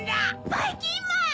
ばいきんまん！